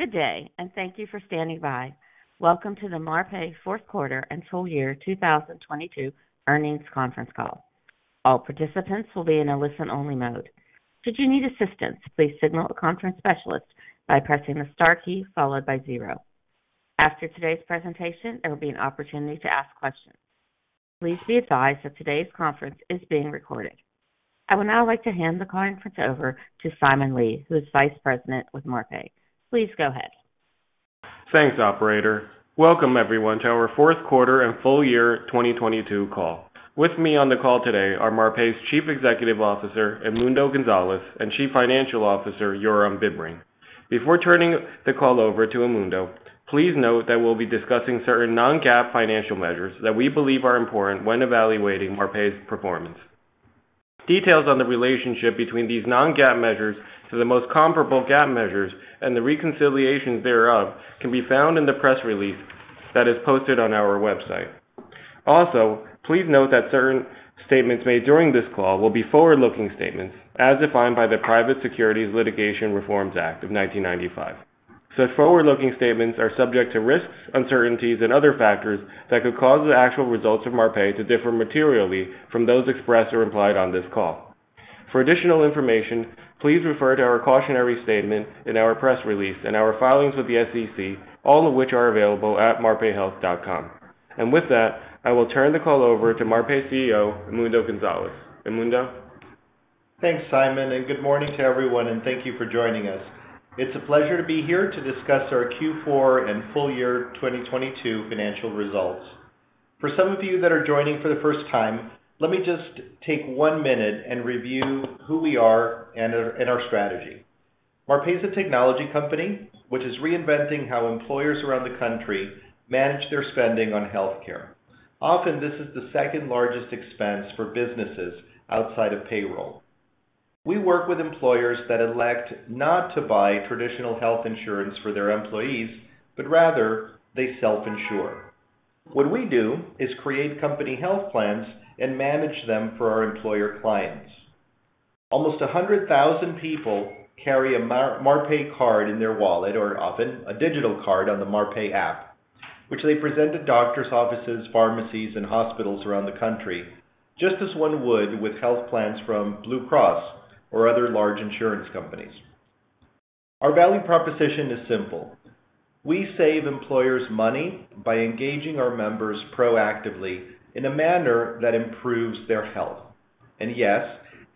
Good day. Thank you for standing by. Welcome to the Marpai Q4 and full year 2022 earnings conference call. All participants will be in a listen-only mode. Should you need assistance, please signal a conference specialist by pressing the star key followed by zero. After today's presentation, there will be an opportunity to ask questions. Please be advised that today's conference is being recorded. I would now like to hand the conference over to Simon Li, who is Vice President with Marpai. Please go ahead. Thanks, operator. Welcome, everyone, to our Q4 and full year 2022 call. With me on the call today are Marpai's Chief Executive Officer, Edmundo Gonzalez, and Chief Financial Officer, Yoram Bibring. Before turning the call over to Edmundo, please note that we'll be discussing certain non-GAAP financial measures that we believe are important when evaluating Marpai's performance. Details on the relationship between these non-GAAP measures to the most comparable GAAP measures and the reconciliations thereof can be found in the press release that is posted on our website. Also, please note that certain statements made during this call will be forward-looking statements as defined by the Private Securities Litigation Reform Act of 1995. Such forward-looking statements are subject to risks, uncertainties, and other factors that could cause the actual results of Marpai to differ materially from those expressed or implied on this call. For additional information, please refer to our cautionary statement in our press release and our filings with the SEC, all of which are available at marpaihealth.com. With that, I will turn the call over to Marpai CEO, Edmundo Gonzalez. Edmundo? Thanks, Simon, and good morning to everyone, and thank you for joining us. It's a pleasure to be here to discuss our Q4 and full year 2022 financial results. For some of you that are joining for the first time, let me just take one minute and review who we are and our strategy. Marpai is a technology company which is reinventing how employers around the country manage their spending on healthcare. Often, this is the second largest expense for businesses outside of payroll. We work with employers that elect not to buy traditional health insurance for their employees, but rather they self-insure. What we do is create company health plans and manage them for our employer clients. Almost 100,000 people carry a Marpai card in their wallet or often a digital card on the Marpai app, which they present to doctors' offices, pharmacies, and hospitals around the country just as one would with health plans from Blue Cross or other large insurance companies. Our value proposition is simple. We save employers money by engaging our members proactively in a manner that improves their health. Yes,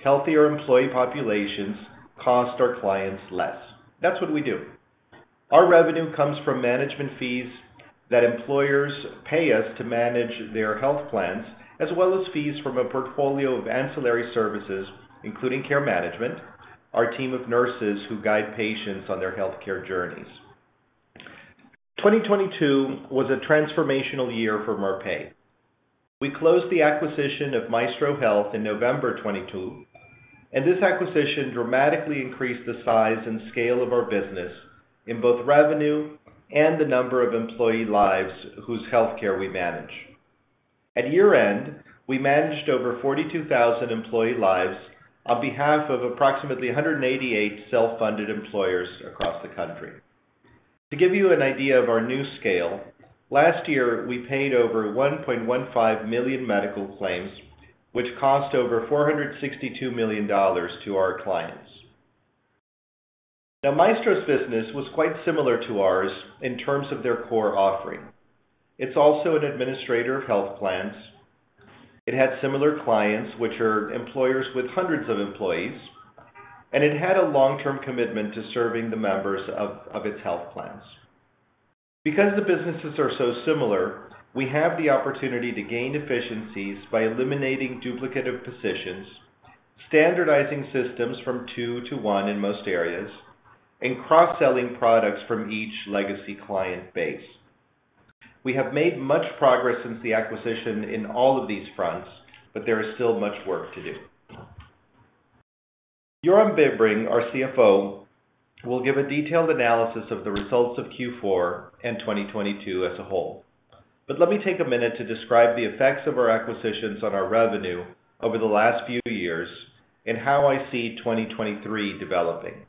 healthier employee populations cost our clients less. That's what we do. Our revenue comes from management fees that employers pay us to manage their health plans, as well as fees from a portfolio of ancillary services, including care management, our team of nurses who guide patients on their healthcare journeys. 2022 was a transformational year for Marpai. We closed the acquisition of Maestro Health in November 2022. This acquisition dramatically increased the size and scale of our business in both revenue and the number of employee lives whose healthcare we manage. At year-end, we managed over 42,000 employee lives on behalf of approximately 188 self-funded employers across the country. To give you an idea of our new scale, last year we paid over 1.15 million medical claims, which cost over $462 million to our clients. Maestro's business was quite similar to ours in terms of their core offering. It's also an administrator of health plans. It had similar clients, which are employers with hundreds of employees, and it had a long-term commitment to serving the members of its health plans. Because the businesses are so similar, we have the opportunity to gain efficiencies by eliminating duplicative positions, standardizing systems from two to one in most areas, and cross-selling products from each legacy client base. We have made much progress since the acquisition in all of these fronts, there is still much work to do. Yoram Bibring, our CFO, will give a detailed analysis of the results of Q4 and 2022 as a whole. Let me take a minute to describe the effects of our acquisitions on our revenue over the last few years and how I see 2023 developing.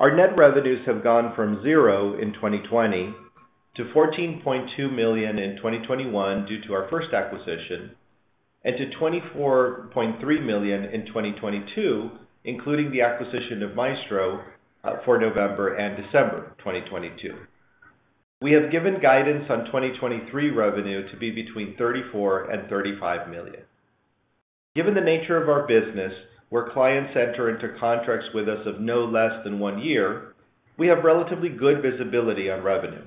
Our net revenues have gone from zero in 2020 to $14.2 million in 2021 due to our first acquisition, and to $24.3 million in 2022, including the acquisition of Maestro for November and December 2022. We have given guidance on 2023 revenue to be between $34 million and $35 million. Given the nature of our business, where clients enter into contracts with us of no less than one year, we have relatively good visibility on revenue.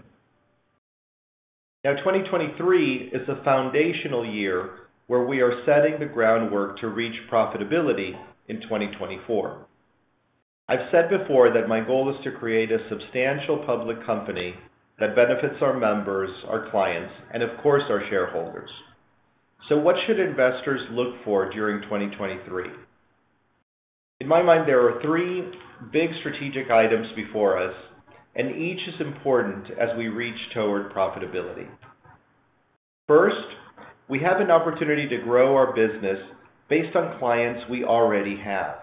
2023 is the foundational year where we are setting the groundwork to reach profitability in 2024. I've said before that my goal is to create a substantial public company that benefits our members, our clients, and of course, our shareholders. What should investors look for during 2023? In my mind, there are three big strategic items before us, and each is important as we reach toward profitability. First, we have an opportunity to grow our business based on clients we already have.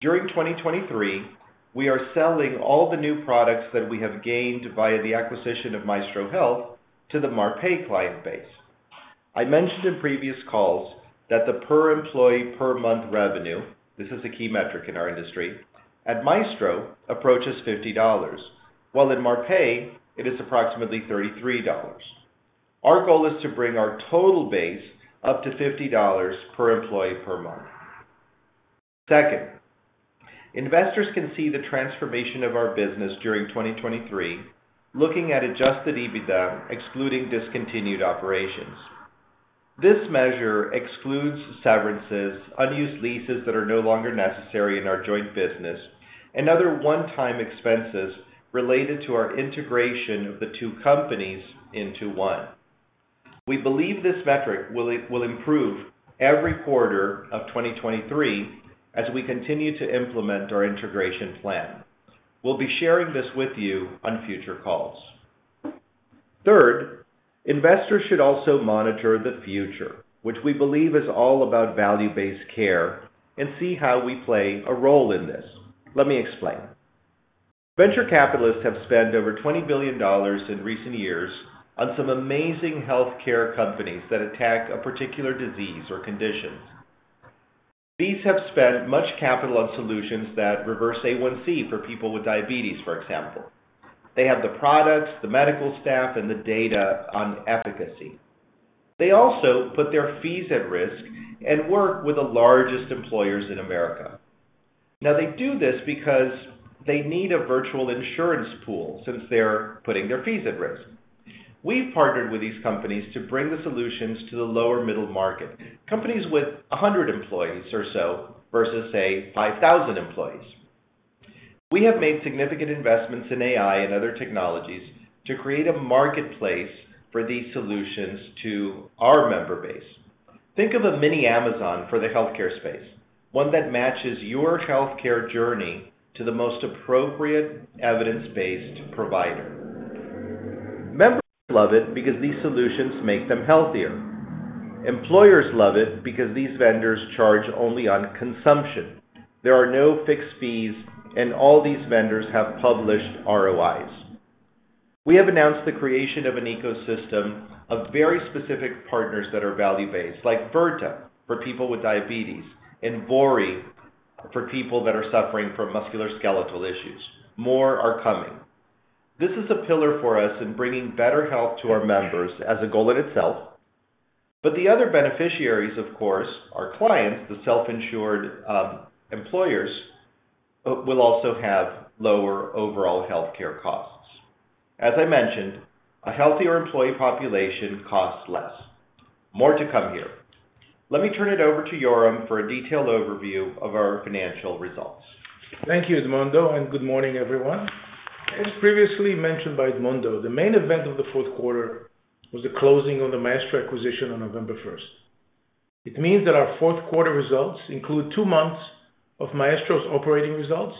During 2023, we are selling all the new products that we have gained via the acquisition of Maestro Health to the Marpai client base. I mentioned in previous calls that the per employee per month revenue, this is the key metric in our industry, at Maestro approaches $50, while in Marpai it is approximately $33. Our goal is to bring our total base up to $50 per employee per month. Second, investors can see the transformation of our business during 2023 looking at Adjusted EBITDA excluding discontinued operations. This measure excludes severances, unused leases that are no longer necessary in our joint business, and other one-time expenses related to our integration of the two companies into one. We believe this metric will improve every quarter of 2023 as we continue to implement our integration plan. We'll be sharing this with you on future calls. Third, investors should also monitor the future, which we believe is all about value-based care, and see how we play a role in this. Let me explain. Venture capitalists have spent over $20 billion in recent years on some amazing healthcare companies that attack a particular disease or conditions. These have spent much capital on solutions that reverse A1C for people with diabetes, for example. They have the products, the medical staff, and the data on efficacy. They also put their fees at risk and work with the largest employers in America. They do this because they need a virtual insurance pool since they're putting their fees at risk. We've partnered with these companies to bring the solutions to the lower middle market, companies with 100 employees or so versus, say, 5,000 employees. We have made significant investments in AI and other technologies to create a marketplace for these solutions to our member base. Think of a mini Amazon for the healthcare space, one that matches your healthcare journey to the most appropriate evidence-based provider. Members love it because these solutions make them healthier. Employers love it because these vendors charge only on consumption. There are no fixed fees, and all these vendors have published ROIs. We have announced the creation of an ecosystem of very specific partners that are value-based, like Virta for people with diabetes and Vori for people that are suffering from musculoskeletal issues. More are coming. This is a pillar for us in bringing better health to our members as a goal in itself. The other beneficiaries, of course, are clients, the self-insured employers will also have lower overall healthcare costs. As I mentioned, a healthier employee population costs less. More to come here. Let me turn it over to Yoram for a detailed overview of our financial results. Thank you, Edmundo. Good morning, everyone. As previously mentioned by Edmundo, the main event of the Q4 was the closing of the Maestro acquisition on November 1st. It means that our Q4 results include two months of Maestro's operating results.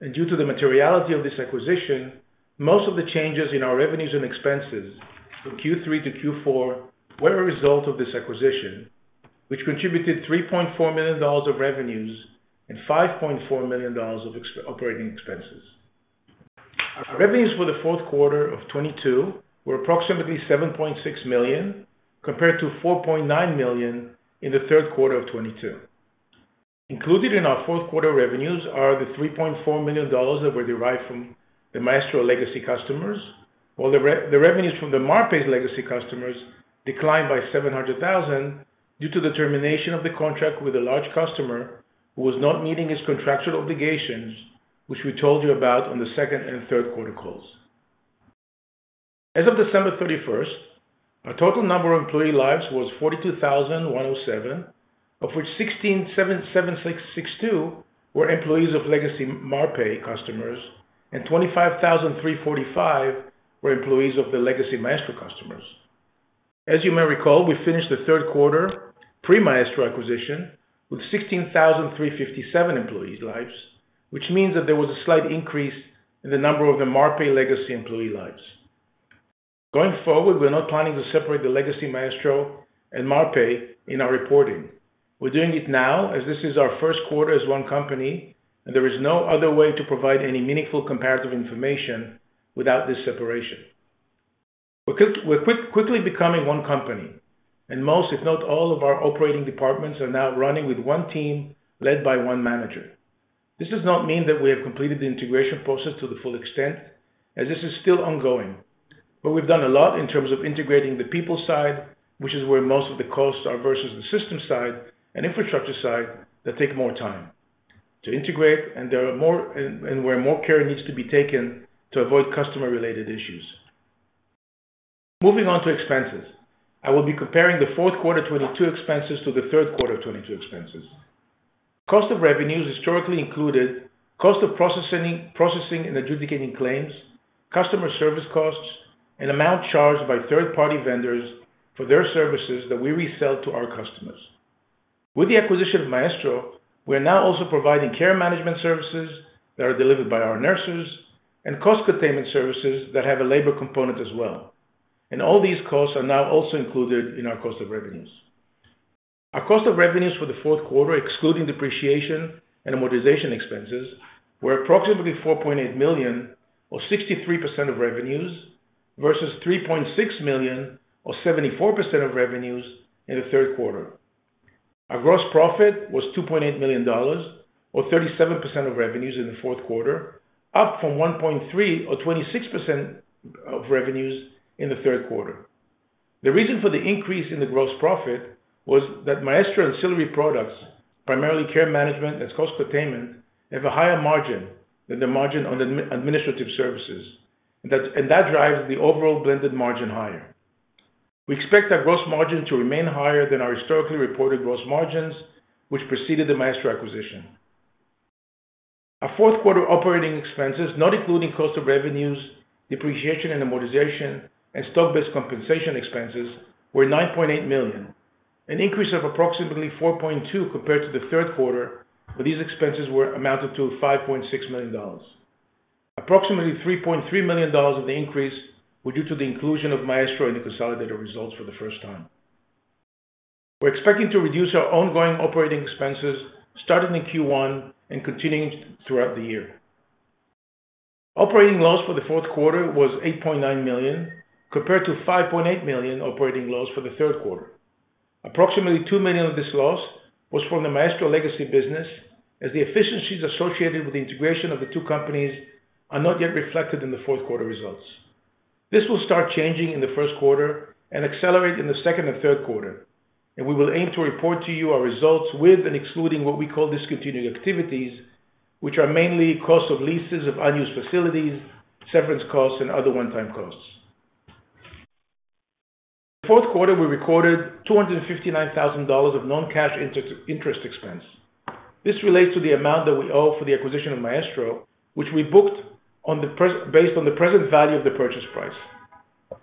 Due to the materiality of this acquisition, most of the changes in our revenues and expenses from Q3 to Q4 were a result of this acquisition, which contributed $3.4 million of revenues and $5.4 million of operating expenses. Our revenues for the Q4 of 2022 were approximately $7.6 million, compared to $4.9 million in the Q3 of 2022. Included in our Q4 revenues are the $3.4 million that were derived from the Maestro legacy customers, while the revenues from the Marpai legacy customers declined by $700,000 due to the termination of the contract with a large customer who was not meeting his contractual obligations, which we told you about on the second and Q3 calls. As of December 31st, our total number of employee lives was 42,107, of which 16,762 were employees of legacy Marpai customers, and 25,345 were employees of the legacy Maestro customers. As you may recall, we finished the Q3 pre-Maestro acquisition with 16,357 employees lives, which means that there was a slight increase in the number of the Marpai legacy employee lives. Going forward, we're not planning to separate the legacy Maestro and Marpai in our reporting. We're doing it now as this is our Q1 as one company. There is no other way to provide any meaningful comparative information without this separation. We're quickly becoming one company. Most, if not all of our operating departments are now running with one team led by one manager. This does not mean that we have completed the integration process to the full extent, as this is still ongoing. We've done a lot in terms of integrating the people side, which is where most of the costs are versus the system side and infrastructure side that take more time to integrate, and where more care needs to be taken to avoid customer-related issues. Moving on to expenses. I will be comparing the Q4 2022 expenses to the Q3 2022 expenses. Cost of revenues historically included cost of processing and adjudicating claims, customer service costs, and amount charged by third-party vendors for their services that we resell to our customers. With the acquisition of Maestro, we are now also providing care management services that are delivered by our nurses and cost containment services that have a labor component as well. All these costs are now also included in our cost of revenues. Our cost of revenues for the Q4, excluding depreciation and amortization expenses, were approximately $4.8 million or 63% of revenues, versus $3.6 million or 74% of revenues in the Q3. Our gross profit was $2.8 million, or 37% of revenues in the Q4, up from $1.3 million or 26% of revenues in the Q3. The reason for the increase in the gross profit was that Maestro ancillary products, primarily care management and cost containment, have a higher margin than the margin on administrative services. That drives the overall blended margin higher. We expect our gross margin to remain higher than our historically reported gross margins, which preceded the Maestro acquisition. Our Q4 operating expenses, not including cost of revenues, depreciation and amortization and stock-based compensation expenses were $9.8 million, an increase of approximately $4.2 million compared to the Q3, where these expenses were amounted to $5.6 million. Approximately $3.3 million of the increase were due to the inclusion of Maestro in the consolidated results for the first time. We're expecting to reduce our ongoing operating expenses starting in Q1 and continuing throughout the year. Operating loss for the Q4 was $8.9 million, compared to $5.8 million operating loss for the Q3. Approximately $2 million of this loss was from the Maestro legacy business, as the efficiencies associated with the integration of the two companies are not yet reflected in the Q4 results. This will start changing in the Q1 and accelerate in the Q2 and Q3. We will aim to report to you our results with and excluding what we call discontinued activities, which are mainly cost of leases of unused facilities, severance costs, and other one-time costs. Q4, we recorded $259,000 of non-cash interest expense. This relates to the amount that we owe for the acquisition of Maestro, which we booked based on the present value of the purchase price.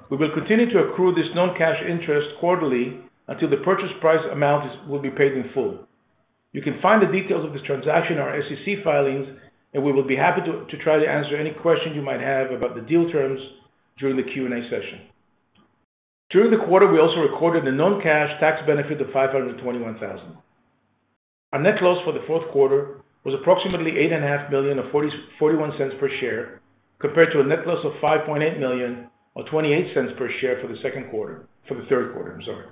We will continue to accrue this non-cash interest quarterly until the purchase price amount will be paid in full. You can find the details of this transaction in our SEC filings. We will be happy to try to answer any question you might have about the deal terms during the Q&A session. During the quarter, we also recorded a non-cash tax benefit of $521,000. Our net loss for the Q4 was approximately $8.5 million or $0.41 per share, compared to a net loss of $5.8 million or $0.28 per share for the Q3, I'm sorry.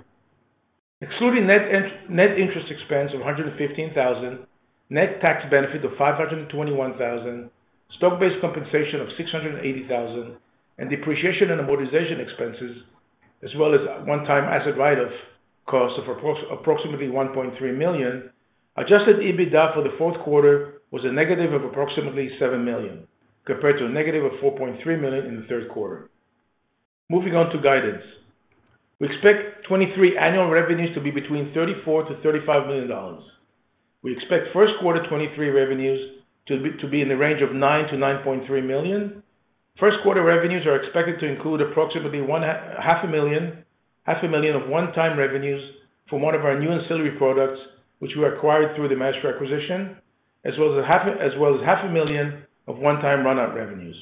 Excluding net interest expense of $115,000, net tax benefit of $521,000, stock-based compensation of $680,000, and depreciation and amortization expenses, as well as one-time asset write-off cost of approximately $1.3 million. Adjusted EBITDA for the Q4 was a negative of approximately $7 million, compared to a negative of $4.3 million in the Q3. Moving on to guidance. We expect 2023 annual revenues to be between $34 million-$35 million. We expect Q1 2023 revenues to be in the range of $9-$9.3 million. Q1 revenues are expected to include approximately $500,000 of one-time revenues from one of our new ancillary products, which we acquired through the Maestro acquisition, as well as half a million of one-time runout revenues.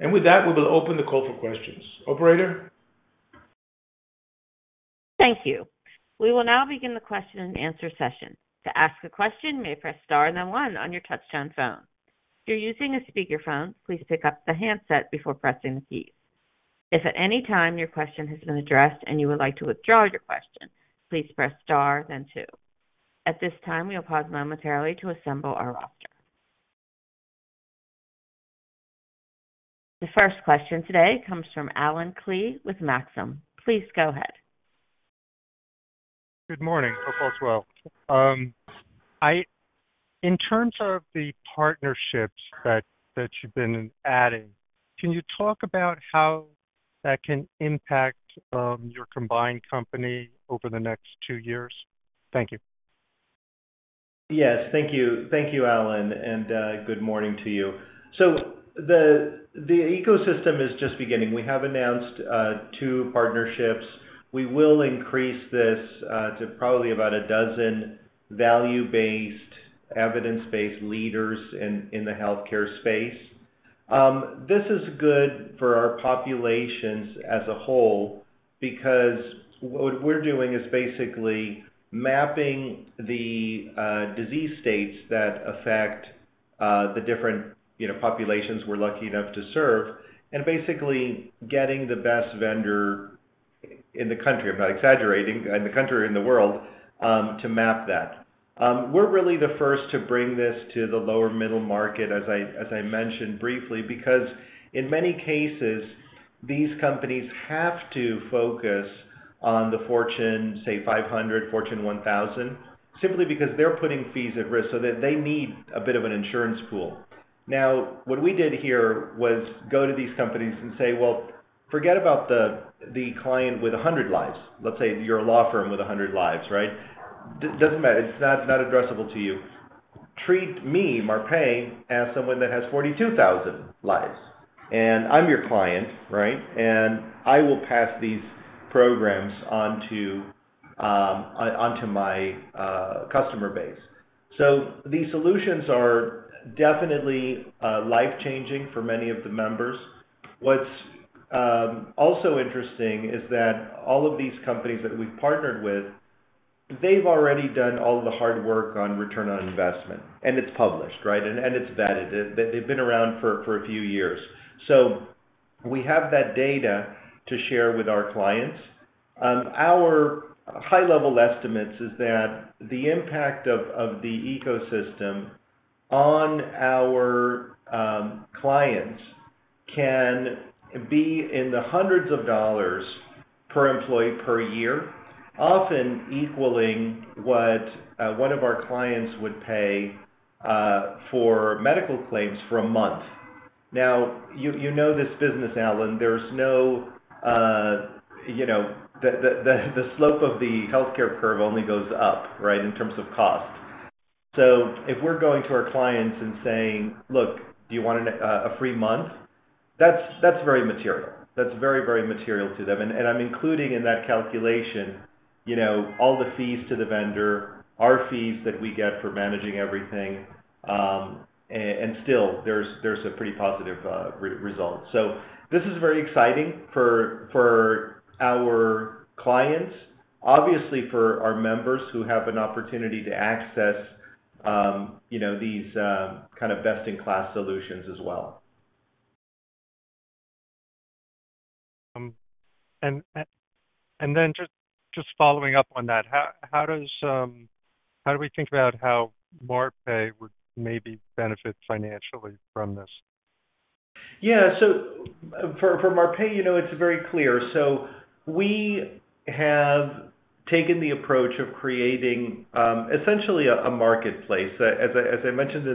With that, we will open the call for questions. Operator? Thank you. We will now begin the question and answer session. To ask a question, you may press star and then one on your touch-tone phone. If you're using a speakerphone, please pick up the handset before pressing the keys. If at any time your question has been addressed and you would like to withdraw your question, please press star then two. At this time, we will pause momentarily to assemble our roster. The first question today comes from Allen Klee with Maxim. Please go ahead. Good morning, folks as well. In terms of the partnerships that you've been adding, can you talk about how that can impact your combined company over the next two years? Thank you. Yes, thank you. Thank you, Allen, and good morning to you. The ecosystem is just beginning. We have announced two partnerships. We will increase this to probably about 12 value-based, evidence-based leaders in the healthcare space. This is good for our populations as a whole because what we're doing is basically mapping the disease states that affect the different, you know, populations we're lucky enough to serve and basically getting the best vendor in the country. I'm not exaggerating, in the country or in the world, to map that. We're really the first to bring this to the lower middle market, as I mentioned briefly, because in many cases, these companies have to focus on the Fortune, say, 500, Fortune 1000, simply because they're putting fees at risk so that they need a bit of an insurance pool. What we did here was go to these companies and say, "Well, forget about the client with 100 lives." Let's say you're a law firm with 100 lives, right? Doesn't matter. It's not addressable to you. Treat me, Marpai, as someone that has 42,000 lives, and I'm your client, right? I will pass these programs onto my customer base. These solutions are definitely life-changing for many of the members. What's also interesting is that all of these companies that we've partnered with, they've already done all the hard work on return on investment, and it's published, right? It's vetted. They've been around for a few years. We have that data to share with our clients. Our high-level estimates is that the impact of the ecosystem on our clients can be in the hundreds of dollars per employee per year, often equaling what one of our clients would pay for medical claims for a month. Now, you know this business, Allen Klee, there's no you know. The slope of the healthcare curve only goes up, right, in terms of cost. If we're going to our clients and saying, "Look, do you want a free month?" That's very material. That's very, very material to them. I'm including in that calculation, you know, all the fees to the vendor, our fees that we get for managing everything, and still there's a pretty positive result. This is very exciting for our clients, obviously for our members who have an opportunity to access, you know, these kind of best-in-class solutions as well. Just following up on that, how does, how do we think about how Marpai would maybe benefit financially from this? For Marpai, you know, it's very clear. We have taken the approach of creating, essentially a marketplace. As I mentioned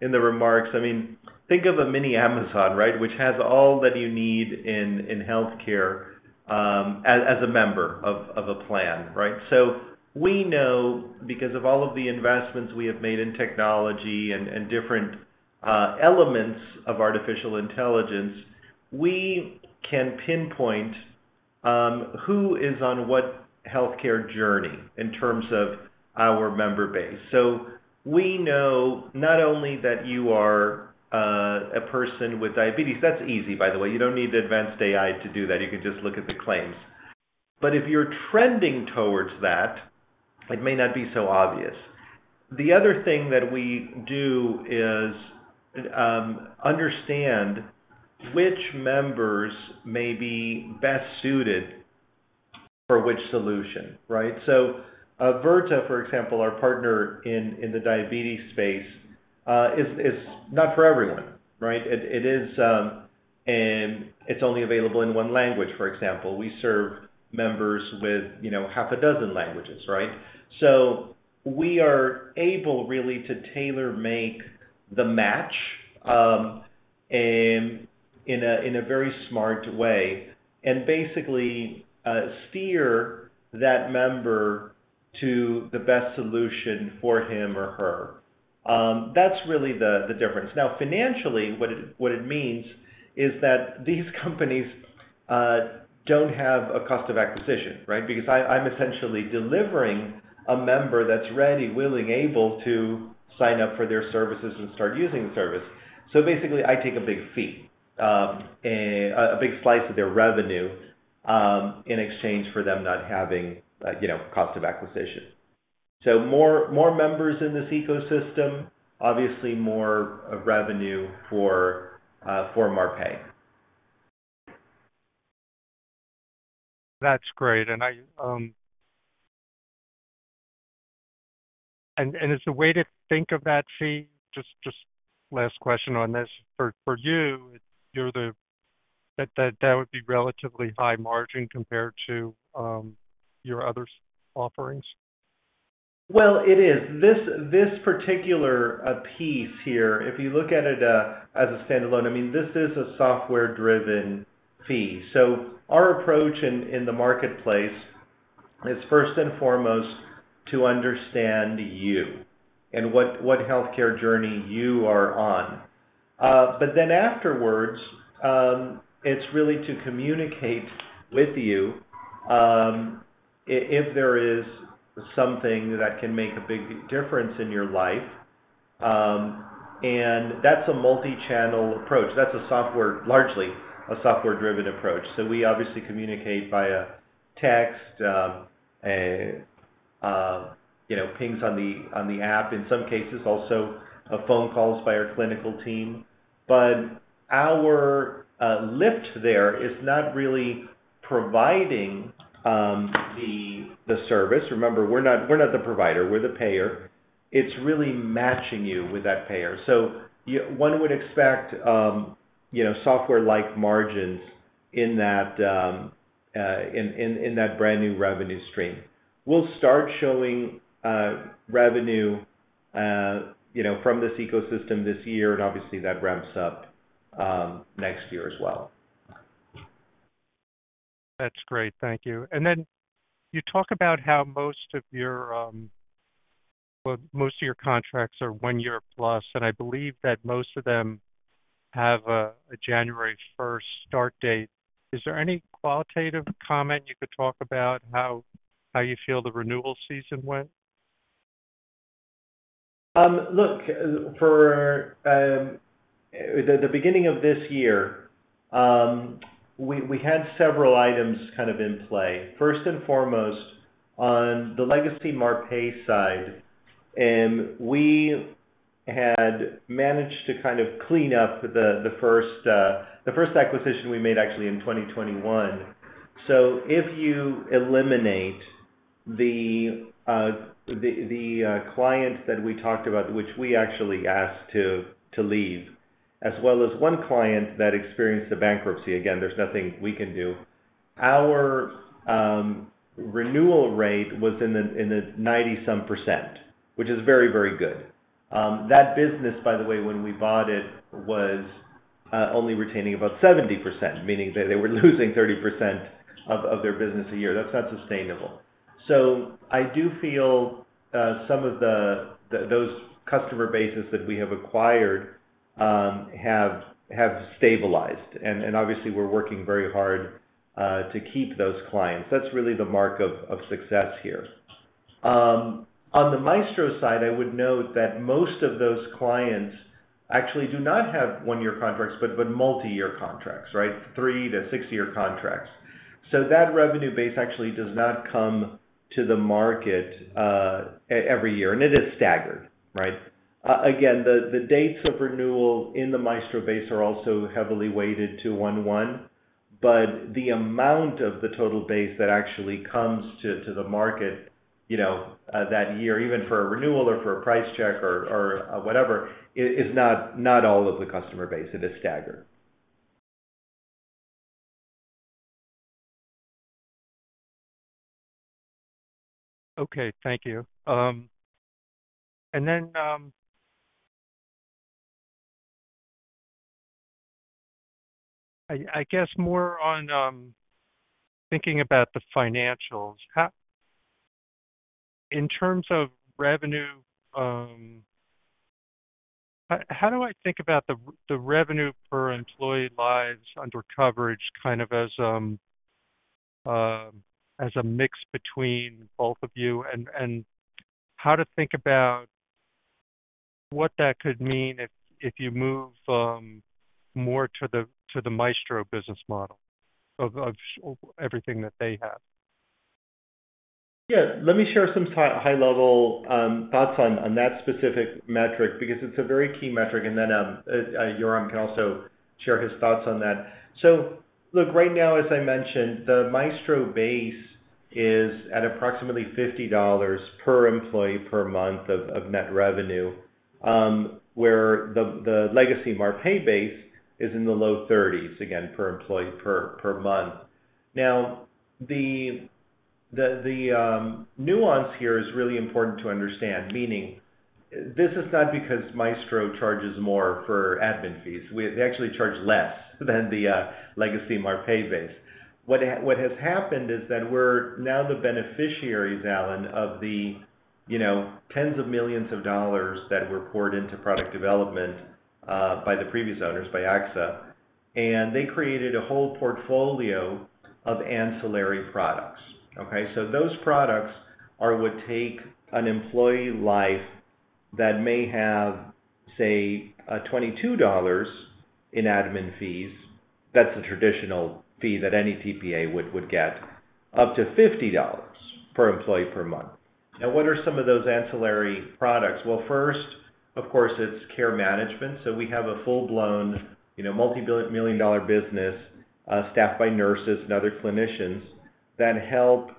in the remarks, I mean, think of a mini Amazon, right? Which has all that you need in healthcare, as a member of a plan, right? We know because of all of the investments we have made in technology and different elements of artificial intelligence, we can pinpoint who is on what healthcare journey in terms of our member base. We know not only that you are a person with diabetes, that's easy, by the way. You don't need advanced AI to do that. You can just look at the claims. If you're trending towards that, it may not be so obvious. The other thing that we do is understand which members may be best suited for which solution, right? Virta, for example, our partner in the diabetes space, is not for everyone, right? It is, and it's only available in one language, for example. We serve members with, you know, half a dozen languages, right? We are able really to tailor-make the match in a very smart way and basically steer that member to the best solution for him or her. That's really the difference. Financially, what it means is that these companies don't have a cost of acquisition, right? I'm essentially delivering a member that's ready, willing, able to sign up for their services and start using the service. Basically, I take a big fee, a big slice of their revenue, in exchange for them not having, you know, cost of acquisition. More members in this ecosystem, obviously more revenue for Marpai. That's great. Is the way to think of that fee, just last question on this, for you, that would be relatively high margin compared to your other offerings? Well, it is. This particular piece here, if you look at it as a standalone, I mean, this is a software-driven fee. Our approach in the marketplace is first and foremost to understand you and what healthcare journey you are on. Then afterwards, it's really to communicate with you, if there is something that can make a big difference in your life. That's a multi-channel approach. That's a software, largely a software-driven approach. We obviously communicate via text, you know, pings on the app, in some cases also, phone calls by our clinical team. Our lift there is not really providing the service. Remember, we're not the provider, we're the payer. It's really matching you with that payer. One would expect, you know, software-like margins in that brand-new revenue stream. We'll start showing revenue, you know, from this ecosystem this year, and obviously that ramps up next year as well. That's great. Thank you. Then you talk about how most of your, well, most of your contracts are one year plus, and I believe that most of them have a January 1st start date. Is there any qualitative comment you could talk about how you feel the renewal season went? Look, for the beginning of this year, we had several items kind of in play. First and foremost, on the legacy Marpai side, we had managed to kind of clean up the first acquisition we made actually in 2021. If you eliminate the client that we talked about, which we actually asked to leave, as well as one client that experienced a bankruptcy, again, there's nothing we can do. Our renewal rate was in the 97%, which is very, very good. That business, by the way, when we bought it, was only retaining about 70%, meaning that they were losing 30% of their business a year. That's not sustainable. I do feel some of the, those customer bases that we have acquired, have stabilized and obviously we're working very hard to keep those clients. That's really the mark of success here. On the Maestro Health side, I would note that most of those clients actually do not have one-year contracts but multi-year contracts, right? Three to six-year contracts. That revenue base actually does not come to the market every year, and it is staggered, right? Again, the dates of renewal in the Maestro Health base are also heavily weighted to 1/1, but the amount of the total base that actually comes to the market, you know, that year, even for a renewal or for a price check or whatever, is not all of the customer base. It is staggered. Okay. Thank you. I guess more on, thinking about the financials. In terms of revenue, how do I think about the revenue per employee lives under coverage kind of as a mix between both of you, and how to think about what that could mean if you move more to the Maestro business model of everything that they have? Let me share some high-level thoughts on that specific metric because it's a very key metric, and then Yoram can also share his thoughts on that. Look, right now, as I mentioned, the Maestro base is at approximately $50 per employee per month of net revenue, where the legacy Marpai base is in the low 30s, again, per employee per month. The nuance here is really important to understand, meaning this is not because Maestro charges more for admin fees. They actually charge less than the legacy Marpai base. What has happened is that we're now the beneficiaries, Allen, of the, you know, tens of millions of dollars that were poured into product development by the previous owners, by AXA. They created a whole portfolio of ancillary products, okay? Those products would take an employee life that may have, say, $22 in admin fees, that's the traditional fee that any TPA would get, up to $50 per employee per month. What are some of those ancillary products? Well, first, of course, it's care management. We have a full-blown, you know, million-dollar business staffed by nurses and other clinicians that help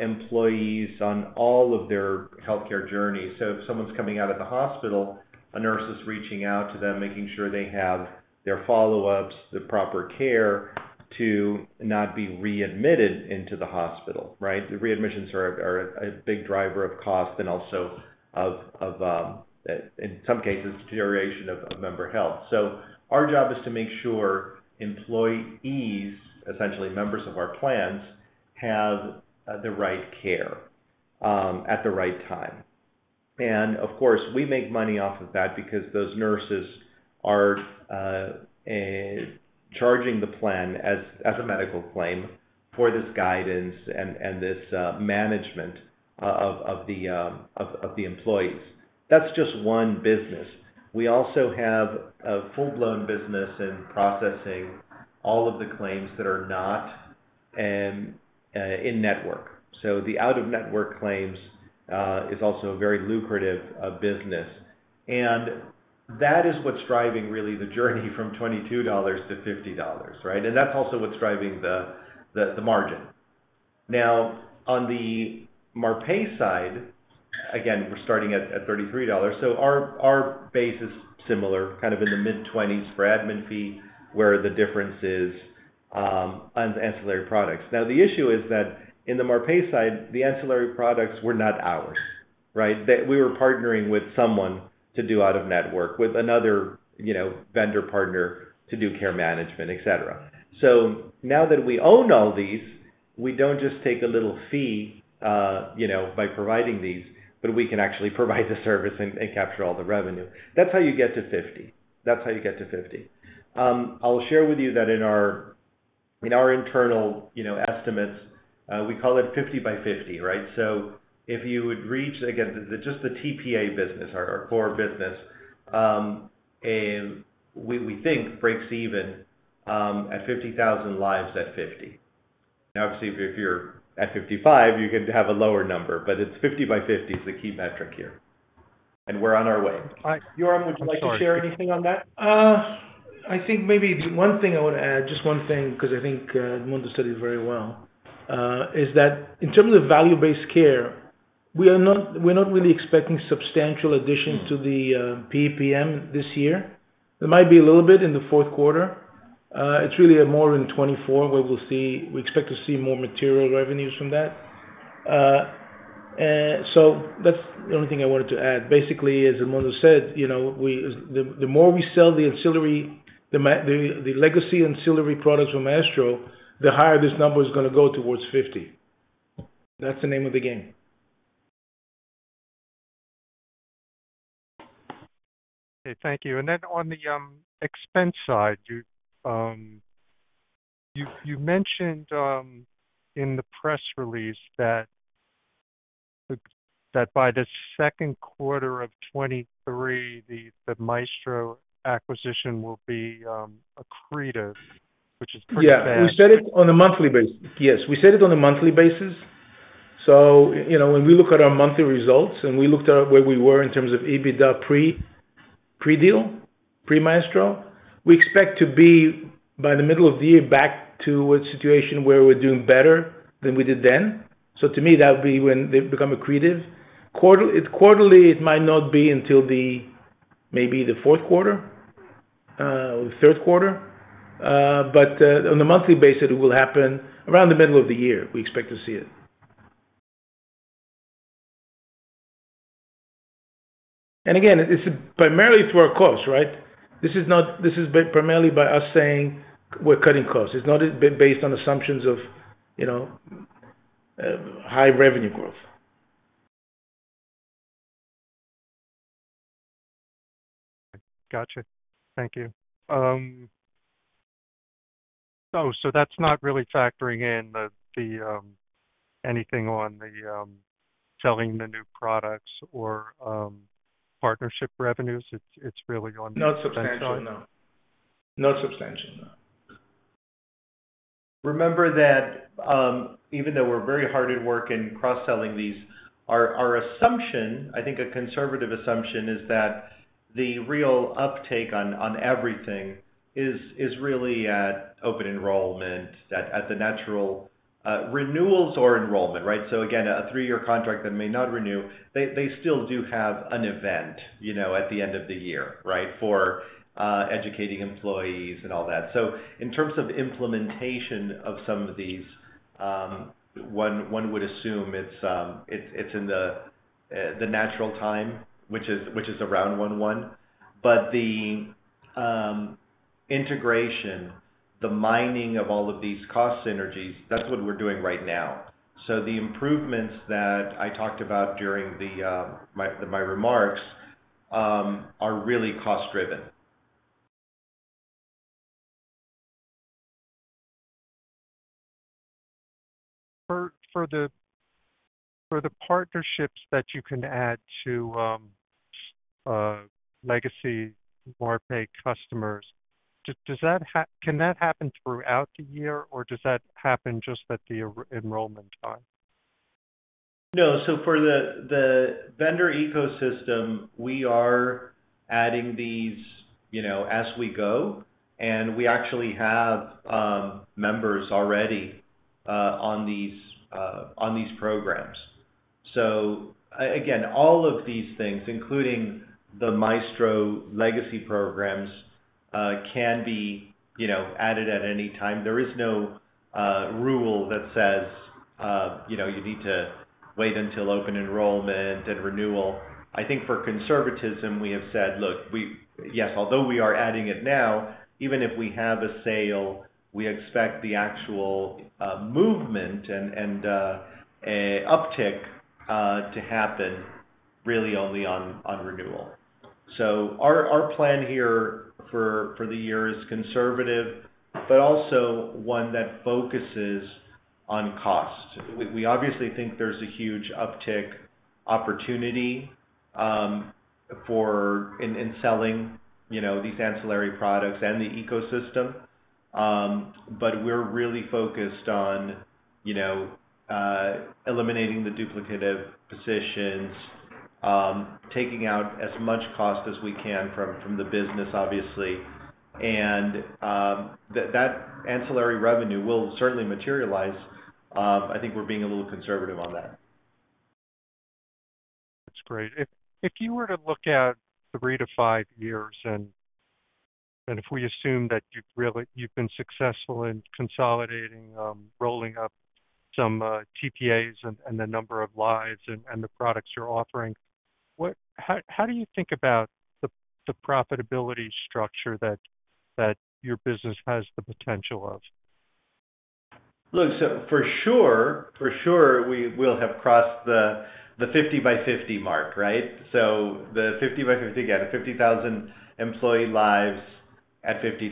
employees on all of their healthcare journeys. If someone's coming out of the hospital, a nurse is reaching out to them, making sure they have their follow-ups, the proper care to not be readmitted into the hospital, right? The readmissions are a big driver of cost and also of in some cases, deterioration of member health. Our job is to make sure employees, essentially members of our plans, have the right care at the right time. Of course, we make money off of that because those nurses are charging the plan as a medical claim for this guidance and this management of the employees. That's just one business. We also have a full-blown business in processing all of the claims that are not in-network. The out-of-network claims is also a very lucrative business, that is what's driving really the journey from $22-$50, right? That's also what's driving the margin. On the Marpai side, again, we're starting at $33. Our base is similar, kind of in the mid-20s for admin fee, where the difference is on ancillary products. The issue is that in the Marpai side, the ancillary products were not ours. Right? That we were partnering with someone to do out-of-network with another, you know, vendor partner to do care management, et cetera. Now that we own all these, we don't just take a little fee, you know, by providing these, but we can actually provide the service and capture all the revenue. That's how you get to $50. That's how you get to 50. I'll share with you that in our internal estimates, we call it 50 by 50, right? If you would reach, again, the just the TPA business, our core business, and we think breaks even at 50,000 lives at 50. Now, obviously, if you're at 55, you're going to have a lower number, but it's 50 by 50 is the key metric here. We're on our way. All right. Yoram, would you like to share anything on that? I think maybe the one thing I would add, just one thing, because I think Edmundo said it very well, is that in terms of value-based care, we're not really expecting substantial additions to the PEPM this year. There might be a little bit in the Q4. It's really more in 2024, where we expect to see more material revenues from that. That's the only thing I wanted to add. Basically, as Edmundo said, you know, the more we sell the ancillary, the legacy ancillary products from Maestro, the higher this number is gonna go towards 50. That's the name of the game. Okay. Thank you. On the expense side, you mentioned in the press release that by the Q2 of 2023, the Maestro acquisition will be accretive, which is pretty fast. We said it on a monthly basis. Yes, we said it on a monthly basis. You know, when we look at our monthly results and we looked at where we were in terms of EBITDA pre-deal, pre-Maestro, we expect to be, by the middle of the year, back to a situation where we're doing better than we did then. To me, that would be when they've become accretive. Quarterly, it might not be until the, maybe the Q4 or Q3. On a monthly basis, it will happen around the middle of the year, we expect to see it. Again, it's primarily through our costs, right? This is primarily by us saying we're cutting costs. It's not based on assumptions of, you know, high revenue growth. Gotcha. Thank you. That's not really factoring in anything on the selling the new products or partnership revenues. It's really on the expenses. Not substantially, no. Not substantially, no. Remember that, even though we're very hard at work in cross-selling these, our assumption, I think a conservative assumption is that the real uptake on everything is really at open enrollment at the natural renewals or enrollment, right? Again, a three-year contract that may not renew, they still do have an event, you know, at the end of the year, right? For educating employees and all that. In terms of implementation of some of these, one would assume it's in the natural time, which is around 1/1. The integration, the mining of all of these cost synergies, that's what we're doing right now. The improvements that I talked about during my remarks are really cost-driven. For the partnerships that you can add to legacy Marpai customers, can that happen throughout the year, or does that happen just at the enrollment time? No. For the vendor ecosystem, we are adding these, you know, as we go, and we actually have members already on these on these programs. Again, all of these things, including the Maestro legacy programs, can be, you know, added at any time. There is no rule that says, you know, you need to wait until open enrollment and renewal. I think for conservatism, we have said, look, yes, although we are adding it now, even if we have a sale, we expect the actual movement and and uptick to happen really only on on renewal. Our plan here for the year is conservative, but also one that focuses on cost. We obviously think there's a huge uptick opportunity for in selling, you know, these ancillary products and the ecosystem. We're really focused on, you know, eliminating the duplicative positions, taking out as much cost as we can from the business, obviously. That ancillary revenue will certainly materialize. I think we're being a little conservative on that. That's great. If you were to look at three to five years and if we assume that you've been successful in consolidating, rolling up some TPAs and the number of lives and the products you're offering, how do you think about the profitability structure that your business has the potential of? For sure, we will have crossed the 50 by 50 mark, right? The 50 by 50, again, the 50,000 employee lives at $50.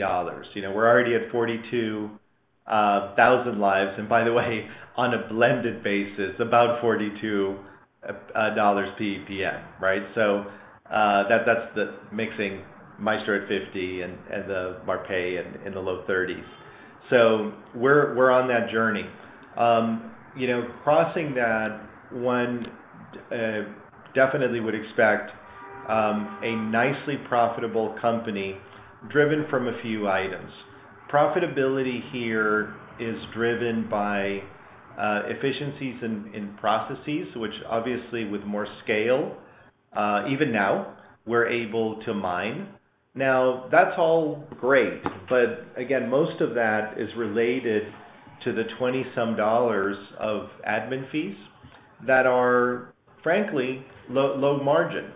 You know, we're already at 42,000 lives, and by the way, on a blended basis, about $42 PEPM, right? That's the mixing Maestro at $50 and the Marpai in the low $30s. We're on that journey. You know, crossing that one definitely would expect a nicely profitable company driven from a few items. Profitability here is driven by efficiencies in processes, which obviously with more scale, even now we're able to mine. That's all great, but again, most of that is related to the $20 some of admin fees that are frankly low margin.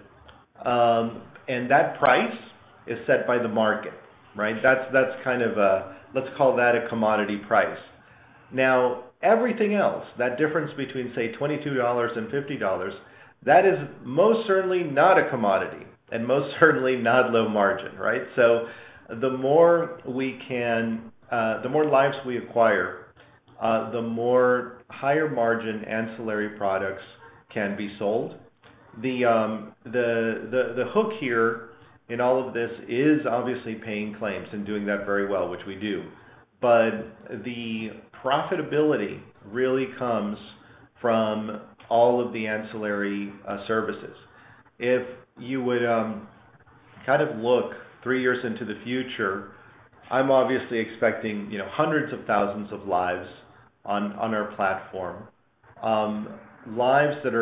That price is set by the market, right? That's kind of a commodity price. Everything else, that difference between say $22 and $50, that is most certainly not a commodity and most certainly not low margin, right? The more lives we acquire, the more higher margin ancillary products can be sold. The hook here in all of this is obviously paying claims and doing that very well, which we do. The profitability really comes from all of the ancillary services. If you would, kind of look three years into the future, I'm obviously expecting, you know, hundreds of thousands of lives on our platform. lives that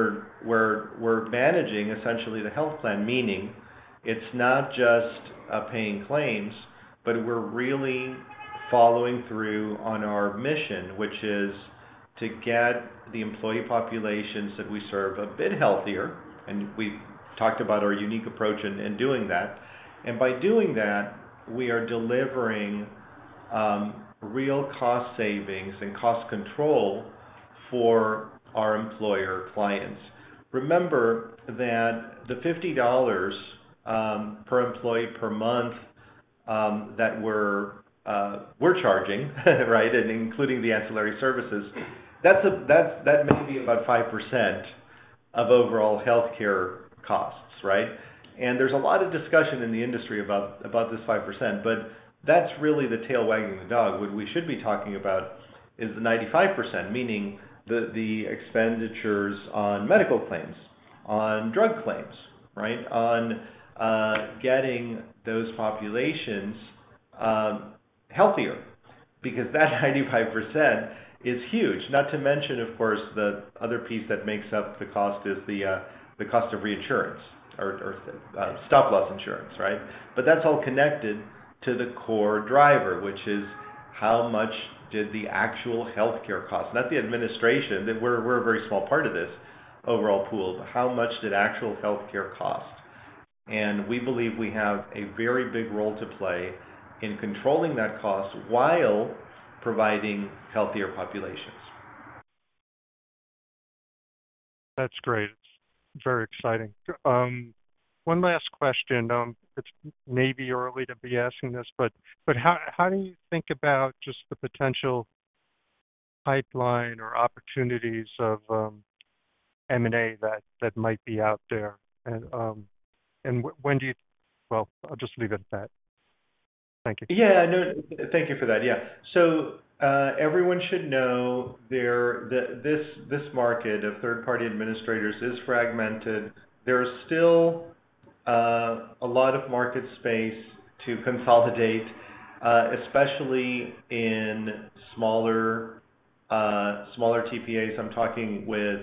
we're managing essentially the health plan, meaning it's not just paying claims, but we're really following through on our mission, which is to get the employee populations that we serve a bit healthier. We've talked about our unique approach in doing that. By doing that, we are delivering real cost savings and cost control for our employer clients. Remember that the $50 per employee per month that we're charging, right? Including the ancillary services, that's that may be about 5% of overall healthcare costs, right? There's a lot of discussion in the industry about this 5%, but that's really the tail wagging the dog. What we should be talking about is the 95%, meaning the expenditures on medical claims, on drug claims, right? On getting those populations healthier because that 95% is huge. Not to mention, of course, the other piece that makes up the cost is the cost of reinsurance or stop-loss insurance, right? That's all connected to the core driver, which is how much did the actual healthcare cost, not the administration. We're a very small part of this overall pool, but how much did actual healthcare cost? We believe we have a very big role to play in controlling that cost while providing healthier populations. That's great. It's very exciting. One last question. It's maybe early to be asking this, but how do you think about just the potential pipeline or opportunities of M&A that might be out there? Well, I'll just leave it at that. Thank you. Yeah, no, thank you for that. Yeah. Everyone should know that this market of third-party administrators is fragmented. There's still a lot of market space to consolidate, especially in smaller TPAs. I'm talking with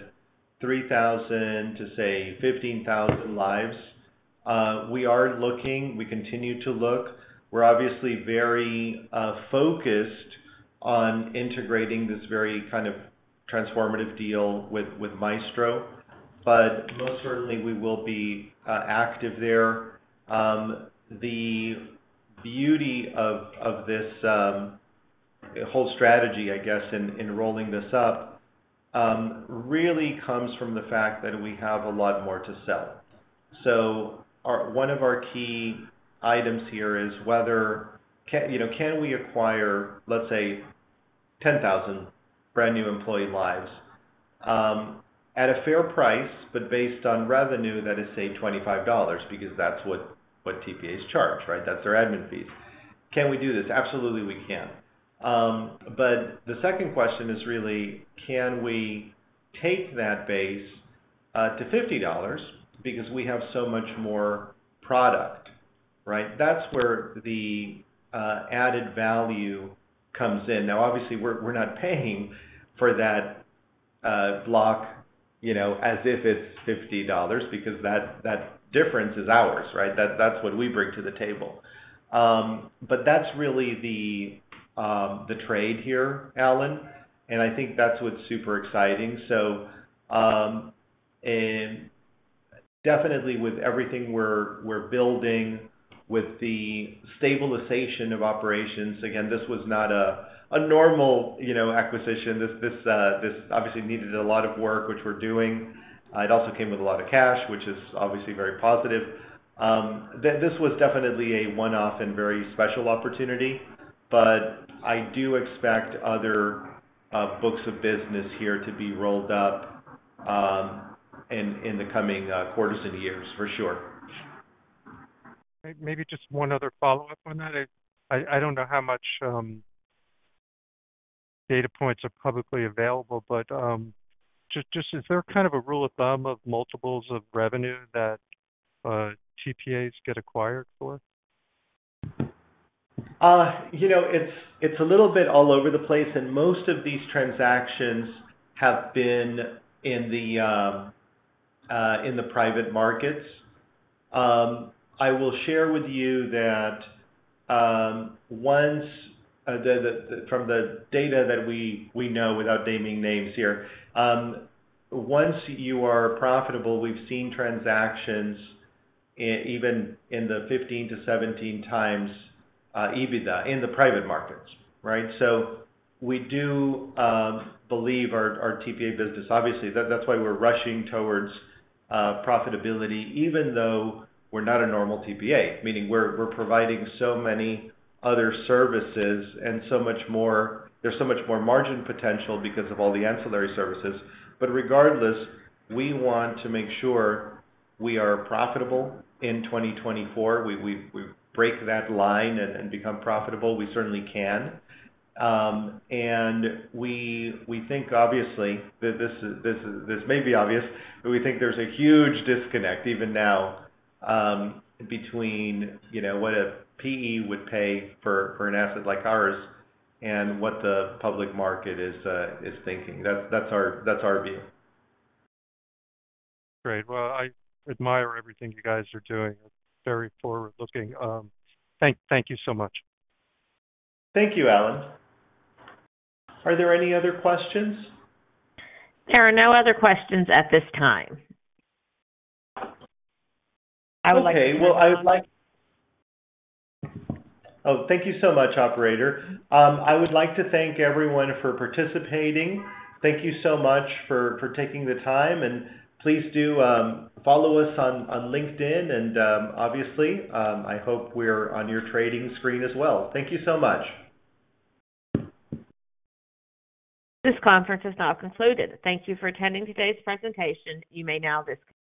3,000 to say 15,000 lives. We are looking, we continue to look. We're obviously very focused on integrating this very kind of transformative deal with Maestro. Most certainly we will be active there. The beauty of this whole strategy, I guess, in rolling this up, really comes from the fact that we have a lot more to sell. One of our key items here is whether can, you know, can we acquire, let's say 10,000 brand new employee lives at a fair price, but based on revenue that is say $25, because that's what TPAs charge, right? That's their admin fees. Can we do this? Absolutely, we can. The second question is really, can we take that base to $50 because we have so much more product, right? That's where the added value comes in. Now, obviously we're not paying for that block, you know, as if it's $50 because that difference is ours, right? That's what we bring to the table. That's really the trade here, Allen, and I think that's what's super exciting. Definitely with everything we're building with the stabilization of operations. This was not a normal, you know, acquisition. This obviously needed a lot of work, which we're doing. It also came with a lot of cash, which is obviously very positive. This was definitely a one-off and very special opportunity. I do expect other books of business here to be rolled up in the coming quarters and years for sure. Maybe just one other follow-up on that. I don't know how much data points are publicly available, but just is there kind of a rule of thumb of multiples of revenue that TPAs get acquired for? You know, it's a little bit all over the place, most of these transactions have been in the private markets. I will share with you that once from the data that we know without naming names here, once you are profitable, we've seen transactions even in the 15x-17x EBITDA in the private markets, right? We do believe our TPA business. Obviously, that's why we're rushing towards profitability even though we're not a normal TPA, meaning we're providing so many other services and so much more margin potential because of all the ancillary services. Regardless, we want to make sure we are profitable in 2024. We break that line and become profitable. We certainly can. We think obviously that this may be obvious, but we think there's a huge disconnect even now, between, you know, what a PE would pay for an asset like ours and what the public market is thinking. That's our view. Great. Well, I admire everything you guys are doing. It's very forward-looking. Thank you so much. Thank you, Allen. Are there any other questions? There are no other questions at this time. Okay. Well, I would like. Oh, thank you so much, operator. I would like to thank everyone for participating. Thank you so much for taking the time, and please do follow us on LinkedIn and obviously, I hope we're on your trading screen as well. Thank you so much. This conference has now concluded. Thank you for attending today's presentation. You may now disconnect.